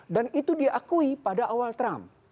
dan itu diakui pada awal trump